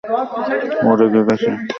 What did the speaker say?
ও রেগে গেছে?